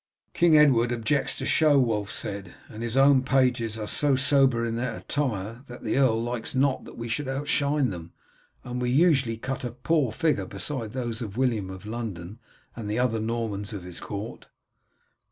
"King Edward objects to show," Wulf said, "and his own pages are so sober in their attire that the earl likes not that we should outshine them, and we usually cut a poor figure beside those of William of London and the other Normans of his court."